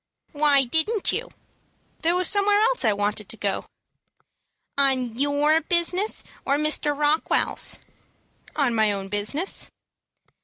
"Why didn't you?" "There was somewhere else I wanted to go." "On your own business, or Mr. Rockwell's?" "On my own business."